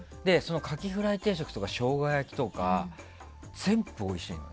カキフライ定食とか生姜焼きとか全部おいしいの。